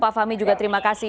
pak fahmi juga terima kasih